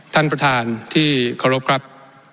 ท่านประธานที่เคารพครับ